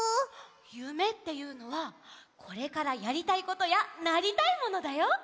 ゆめっていうのはこれからやりたいことやなりたいモノだよ。